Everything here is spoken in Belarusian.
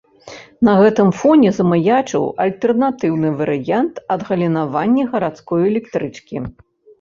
На гэтым фоне замаячыў альтэрнатыўны варыянт адгалінаванні гарадской электрычкі.